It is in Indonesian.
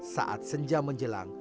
saat senja menjauh